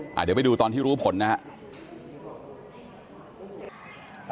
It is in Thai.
หากเดี๋ยวไปดูตอนที่รู้ผลนะฮะ